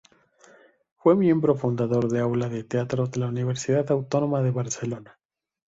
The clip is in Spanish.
Fue miembro fundador del Aula de Teatro de la Universidad Autónoma de Barcelona.